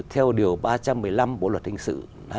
theo điều ba trăm một mươi năm bộ luật hình sự